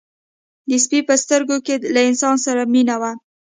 د سپي په سترګو کې له انسان سره مینه وه.